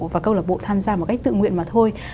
và câu lạc bộ tham gia một cách tự nguyện mà thôi